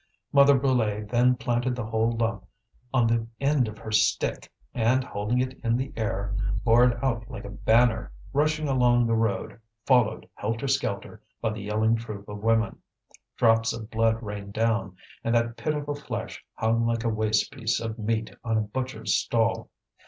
Mother Brulé then planted the whole lump on the end of her stick, and holding it in the air, bore it about like a banner, rushing along the road, followed, helter skelter, by the yelling troop of women. Drops of blood rained down, and that pitiful flesh hung like a waste piece of meat on a butcher's stall.